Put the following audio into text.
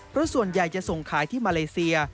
เพราะส่วนใหญ่จะส่งขายที่มาเลเซีย